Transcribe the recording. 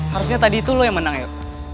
harusnya tadi itu lo yang menang yuk